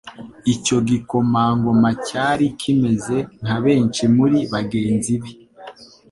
Icyo gikomangoma cyari kimeze nka benshi muri bagenzi be